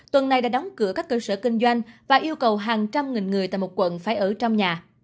tuần này đã đóng cửa các cơ sở kinh doanh và yêu cầu hàng trăm nghìn người tại một quận phải ở trong nhà